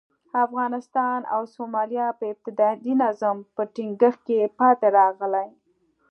افغانستان او سومالیا په ابتدايي نظم په ټینګښت کې پاتې راغلي.